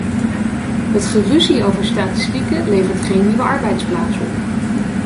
Het geruzie over statistieken levert geen nieuwe arbeidsplaats op.